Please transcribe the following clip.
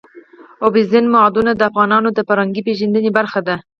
اوبزین معدنونه د افغانانو د فرهنګي پیژندنې برخه ده.